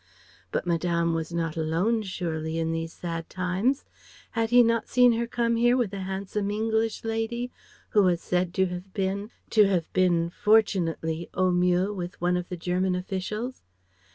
But Madame was not alone surely in these sad times. Had he not seen her come here with a handsome English lady who was said to have been to have been fortunately au mieux with one of the German officials?